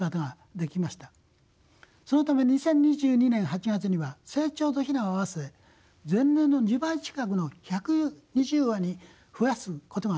そのため２０２２年８月には成鳥と雛を合わせ前年の２倍近くの１２０羽に増やすことができたのです。